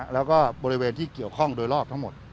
แล้วก็บริเวณที่เกี่ยวข้องโดยรอบทั้งหมด